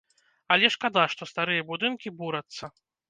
Але шкада, што старыя будынкі бурацца.